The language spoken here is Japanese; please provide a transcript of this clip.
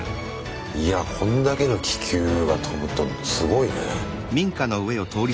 いやこんだけの気球が飛ぶとすごいね。